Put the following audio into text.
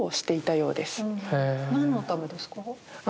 何のためですか？